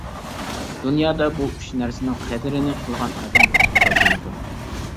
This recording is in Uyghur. دۇنيادا بۇ ئۈچ نەرسىنىڭ قەدرىنى قىلغان ئادەم ئۇتۇق قازىنىدۇ.